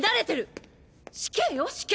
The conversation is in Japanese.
死刑よ死刑！